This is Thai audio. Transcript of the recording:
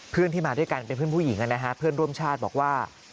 เพื่อนที่มาด้วยกันเป็นเพื่อนผู้หญิงนะฮะเพื่อนร่วมชาติบอกว่า